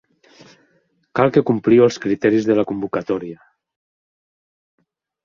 Cal que compliu els criteris de la convocatòria.